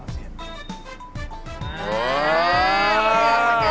โอ้โฮ